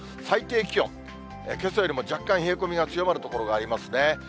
最低気温、けさよりも若干冷え込みが強まる所がありますね。